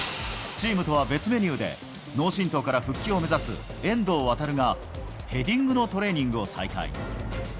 チームとは別メニューで、脳震とうから復帰を目指す遠藤航が、ヘディングのトレーニングを再開。